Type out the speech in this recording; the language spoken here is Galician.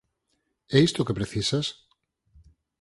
É isto o que precisas?